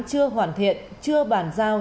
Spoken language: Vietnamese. chưa hoàn thiện chưa bản giao